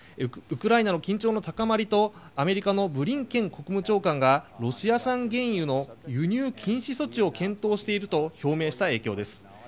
ウクライナの緊張の高まりとアメリカのブリンケン国務長官がロシア産原油の輸入禁止措置を検討していると表明した影響です。